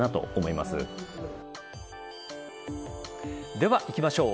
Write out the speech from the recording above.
ではいきましょう。